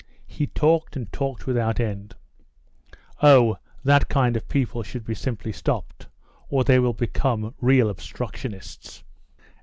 He talked and talked without end." "Oh, that kind of people should be simply stopped, or they will become real obstructionists."